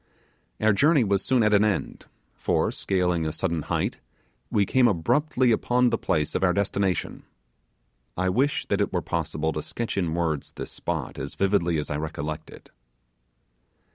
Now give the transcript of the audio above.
Our journey was soon at an end; for, scaling a sudden height, we came abruptly upon the place of our destination. I wish that it were possible to sketch in words this spot as vividly as I recollect it.